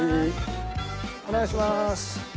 お願いします。